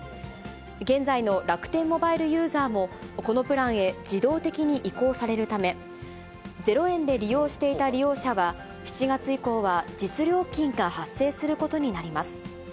現在の楽天モバイルユーザーも、このプランへ自動的に移行されるため、０円で利用していた利用者は、７月以降は実料金が発生することになります。